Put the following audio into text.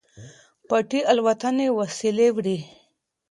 پټې الوتنې وسلې وړي.